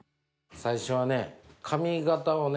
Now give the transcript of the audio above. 最初はね